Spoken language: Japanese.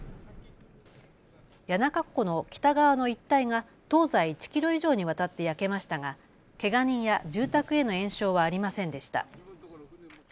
谷中湖の北側の一帯が東西１キロ以上にわたって焼けましたがけが人や住宅への延焼はありませんでした。